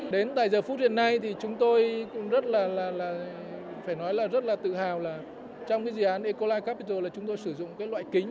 đến tại giờ phút hiện nay thì chúng tôi cũng rất là phải nói là rất là tự hào là trong cái dự án ecoline capital là chúng tôi sử dụng cái loại kính